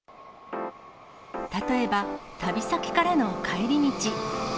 例えば、旅先からの帰り道。